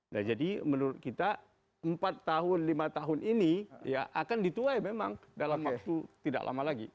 nah jadi menurut kita empat tahun lima tahun ini ya akan dituai memang dalam waktu tidak lama lagi